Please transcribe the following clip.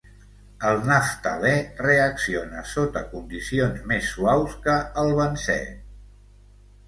El naftalè reacciona sota condicions més suaus que el benzè.